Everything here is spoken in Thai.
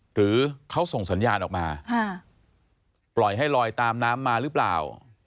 หรือเขาส่งสัญญาณออกมาปล่อยให้ลอยตามน้ำมาหรือเปล่า